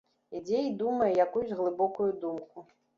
Ідзе і думае якуюсь глыбокую думку.